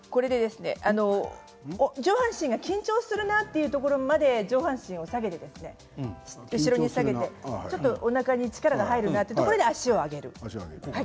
上半身が緊張するなというところまで上半身を下げて後ろに下げてちょっとおなかに力が入るなというところで足を上げます。